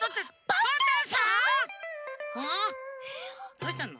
どうしたの？